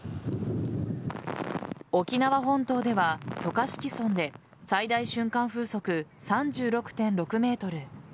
沖縄本島では渡嘉敷村で最大瞬間風速３６．６メートル